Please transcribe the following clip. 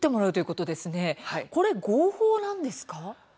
これは合法なんですか。